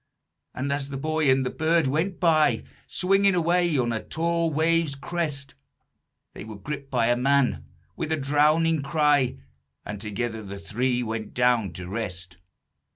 And, as the boy and the bird went by, Swinging away on a tall wave's crest, They were gripped by a man, with a drowning cry, And together the three went down to rest.